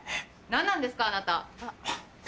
何なんですかあなた。